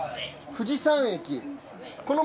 富士山駅？